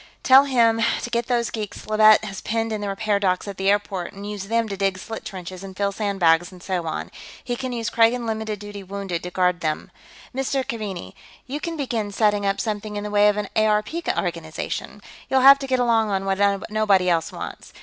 Tell him to get those geeks Leavitt has penned in the repair dock at the airport and use them to dig slit trenches and fill sandbags and so on. He can use Kragan limited duty wounded to guard them.... Mr. Keaveney, you'll begin setting up something in the way of an ARP organization. You'll have to get along on what nobody else wants.